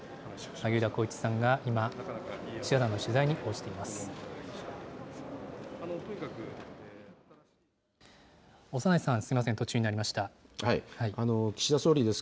萩生田光一さんが今、記者団の取材に応じています。